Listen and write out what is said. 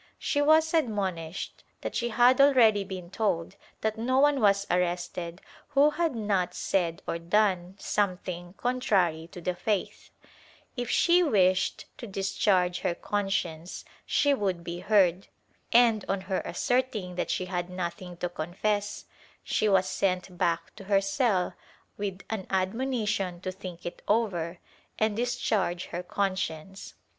She was admonished that she had already been told that no one was arrested who had not said or done something contrary to the faith; if she wished to discharge her conscience she would be heard, and, on her asserting that she had nothing to confess, she was sent back to her cell with an admonition to think it over and dis charge her conscience.